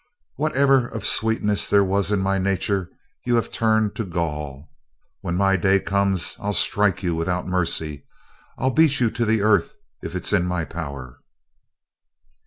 Whatever of sweetness there was in my nature you have turned to gall. When my Day comes I'll strike you without mercy I'll beat you to the earth if it's in my power!"